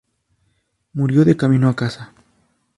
Murió de camino a casa.